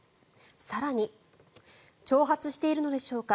更に挑発しているのでしょうか